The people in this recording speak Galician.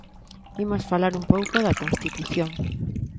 Imos falar un pouco da Constitución.